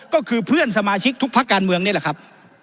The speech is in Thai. ก็คือเพื่อนสมาชิกทุกพักการเมืองนี่แหละครับ